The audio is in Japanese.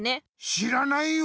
知らないよ